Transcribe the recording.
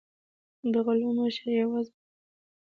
د غلو مشر یوازې راغی.